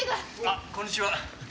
あっこんにちは。